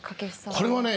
これはね